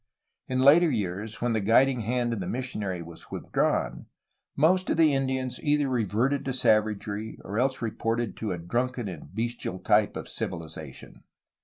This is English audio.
In later years, when the guiding hand of the missionary was withdrawn, most of the Indians either reverted to savagery or else resorted to a drunken and bestial type of "civilization."